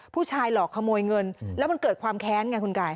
ผู้ชายหลอกขโมยเงินแล้วมันเกิดความแค้นไงคุณกาย